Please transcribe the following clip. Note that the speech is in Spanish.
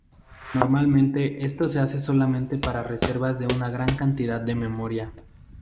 Normalmente, esto se hace solamente para reservas de una gran cantidad de memoria.